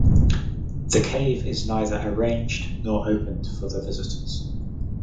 The cave is neither arranged nor opened for the visitors.